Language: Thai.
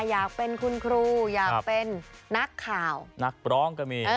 อยากเป็นคุณครูอยากเป็นนักข่าวนักร้องก็มี